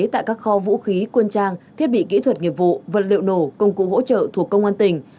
tại các kho vũ khí quân trang thiết bị kỹ thuật nghiệp vụ vật liệu nổ công cụ hỗ trợ thuộc công an tỉnh